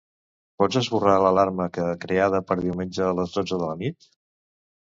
Pots esborrar l'alarma que creada per diumenge a les dotze de la nit?